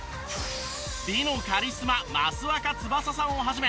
美のカリスマ益若つばささんを始め